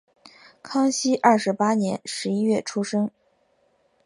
康熙二十八年十一月出生。